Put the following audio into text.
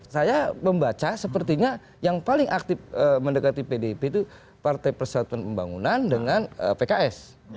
saya membaca sepertinya yang paling aktif mendekati pdip itu partai persatuan pembangunan dengan pks